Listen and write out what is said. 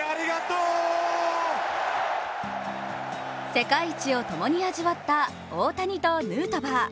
世界一を共に味わった大谷とヌートバー。